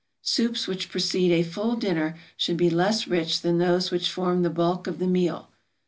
Soups which precede a full dinner should be less rich than those which form the bulk of the meal.